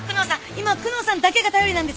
今久能さんだけが頼りなんです！